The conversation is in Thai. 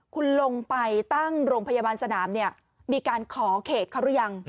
คุณลงไปตั้งโรงพยาบาลสนามเนี่ยมีการขอเขตเขาหรือยัง